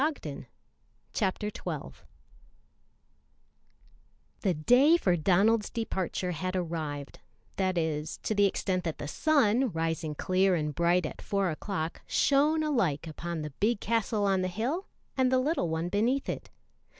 [Illustration: 9119] The day for Donald's departure had arrived that is, to the extent that the sun, rising clear and bright at four o'clock, shone alike upon the big castle on the hill and the little one beneath it.